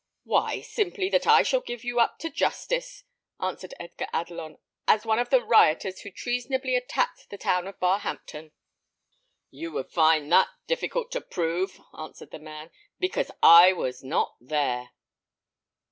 "Why, simply, that I shall give you up to justice," answered Edgar Adelon, "as one of the rioters who treasonably attacked the town of Barhampton." "You would find that difficult to prove," answered the man, "because I was not there."